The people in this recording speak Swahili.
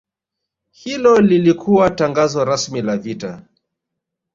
Hilo lilikuwa tangazo rasmi la vita